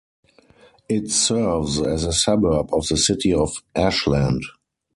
It serves as a suburb of the city of Ashland.